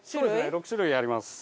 ６種類あります。